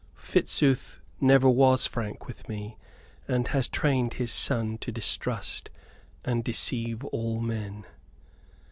Fitzooth never was frank with me, and has trained his son to distrust and deceive all men."